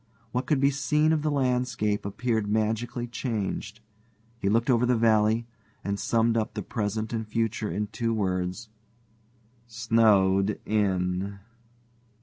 What could be seen of the landscape appeared magically changed. He looked over the valley, and summed up the present and future in two words "snowed in!"